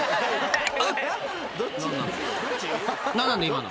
今の］